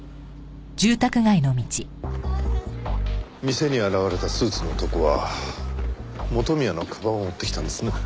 店に現れたスーツの男は元宮の鞄を追ってきたんですね。